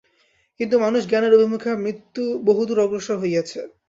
কিন্তু মানুষ জ্ঞানের অভিমুখে বহুদূর অগ্রসর হইয়াছে।